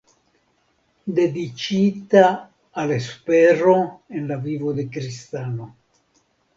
Dediĉita al espero en la vivo de kristano.